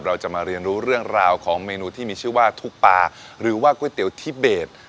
เราจะมาเรียนรู้เรื่องราวของเมนูที่มีชื่อว่าทุกปลาหรือว่าก๋วยเตี๋ยวทิเบส